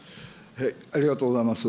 ありがとうございます。